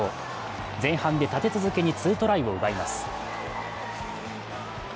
前半で立て続けに２トライを奪います。